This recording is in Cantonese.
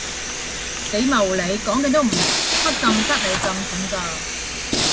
死茂里，講極都唔明，乜甘得你甘蠢噶